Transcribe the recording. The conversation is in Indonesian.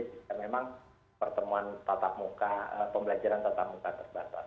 jika memang pertemuan tatap muka pembelajaran tetap muka terbatas